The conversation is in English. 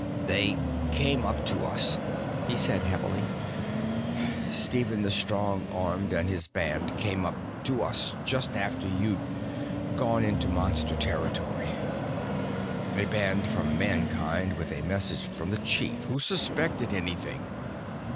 "They came up to us," he said heavily, "Stephen the Strong Armed and his band came up to us just after you'd gone into Monster territory. A band from Mankind with a message from the chief who suspected anything?